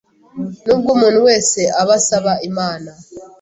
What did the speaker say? Nubwo umuntu wese aba asaba Imana